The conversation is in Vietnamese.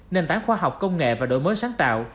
nền tảng khoa học công nghệ và đổi mới sáng tạo